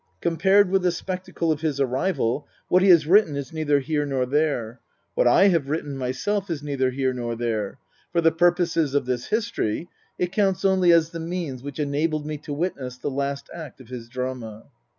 Compared with the spectacle of his arrival, what he has written is neither here nor there. What I have written myself is neither here nor there. For the purposes of this history it counts only as the means which enabled me to witness the last act of his drama.